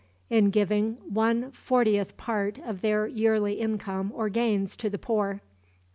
In giving one fortieth part of their yearly income or gains to the poor.